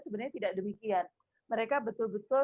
sebenarnya tidak demikian mereka betul betul